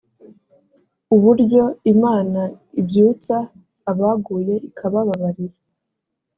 uburyo imana ibyutsa abaguye ikababarira